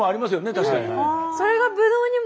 確かに。